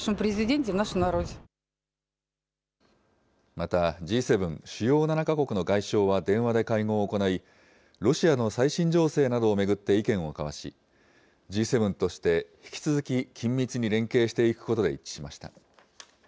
また、Ｇ７・主要７か国の外相は電話で会合を行い、ロシアの最新情勢などを巡って意見を交わし、Ｇ７として引き続き緊密に連携していくことで一致しました。